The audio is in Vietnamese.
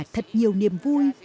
thật nhiều niềm vui